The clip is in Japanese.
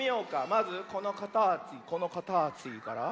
まずこのかたちこのかたちから。